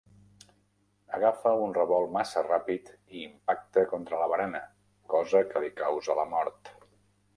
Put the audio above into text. Agafa un revolt massa ràpid i impacta contra la barana, cosa que li causa la mort.